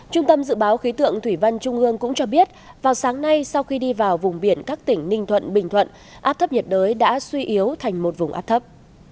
trung tâm dự báo khí tượng thủy văn trung ương cũng cho biết vào sáng nay sau khi đi vào vùng biển các tỉnh ninh thuận bình thuận áp thấp nhiệt đới đã suy yếu thành một vùng áp thấp